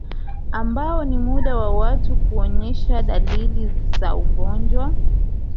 Ambao ni muda wa watu kuonyesha dalili za ugonjwa